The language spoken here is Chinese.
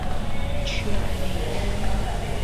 屈尔内。